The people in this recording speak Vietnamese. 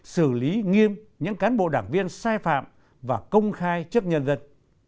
xử lý nghiêm những cán bộ đảng viên sai phạm và công khai trước nhân dân